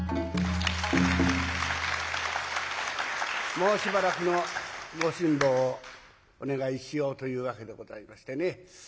もうしばらくのご辛抱をお願いしようというわけでございましてね。